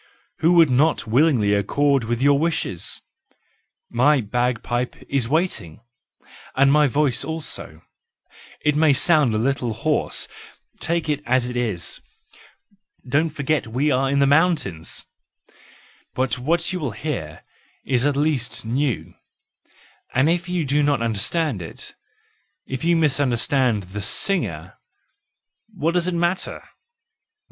Who would not willingly accord with your wishes? My bagpipe is waiting, and my voice also—it may sound a little hoarse; take it as it is! don't forget we are in the mountains! But what you will hear is at least new; and if you do not understand it, if you misunderstand the singer, what does it matter!